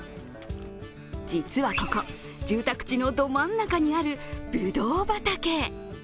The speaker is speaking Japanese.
実はここ、住宅地のど真ん中にあるぶどう畑。